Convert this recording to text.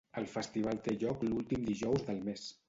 El festival té lloc l'últim dijous del mes.